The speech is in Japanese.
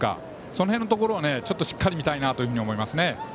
その辺のところをしっかり見たいなと思います。